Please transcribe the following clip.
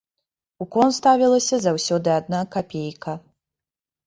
У кон ставілася заўсёды адна капейка.